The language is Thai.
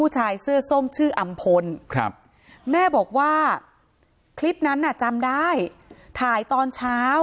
ชื่ออำพลครับแม่บอกว่าคลิปนั้นอ่ะจำได้ถ่ายตอนเช้า